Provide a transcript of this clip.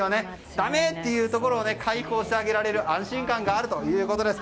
だめ！って言うところを解放してあげられる安心感があるということです。